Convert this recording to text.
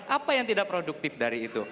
apa yang tidak produktif dari itu